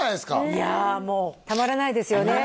いやもうたまらないですよね